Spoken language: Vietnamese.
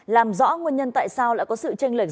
làm rõ nguyên nhân tại sao lại có sự tranh lệch